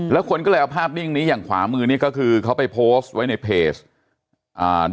แล้วคนก็เลยเอาภาพนิ่งนี้อย่างขวามือนี้ก็คือเขาไปโพสต์ไว้ในเพจอ่า